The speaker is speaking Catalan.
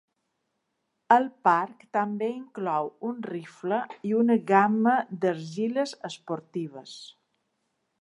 El parc també inclou un rifle i una gamma d'argiles esportives.